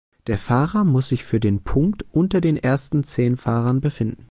Der Fahrer muss sich für den Punkt unter den ersten zehn Fahrern befinden.